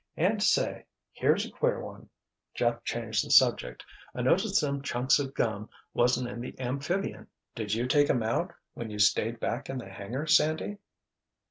"And say—here's a queer one." Jeff changed the subject. "I notice them chunks of gum wasn't in the amphibian! Did you take 'em out when you stayed back in the hangar, Sandy?"